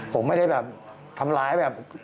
ผมไม่ได้แบบทำร้ายแบบ